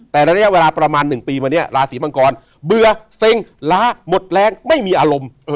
แต่ระยะเวลาประมาณ๑ปีมาเนี่ยราศีมังกรเบื่อเซ็งล้าหมดแรงไม่มีอารมณ์